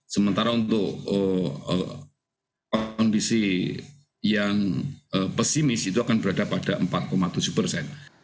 sementara untuk kondisi yang pesimis itu akan berada pada empat tujuh persen